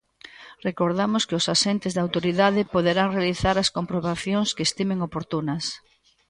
Recordamos que os axentes da autoridade poderán realizar as comprobacións que estimen oportunas.